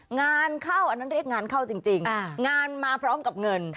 งานเข้าอันนั้นเรียกงานเข้าจริงงานมาพร้อมกับเงิน